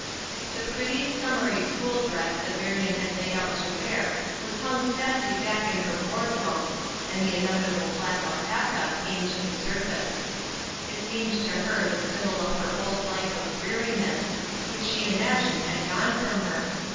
The pretty, summery school dress that Marion had laid out to wear was hung sadly back in her wardrobe, and the inevitable black alpaca came to the surface. It seemed to her the symbol of her old life of dreariness, which she imagined had gone from her.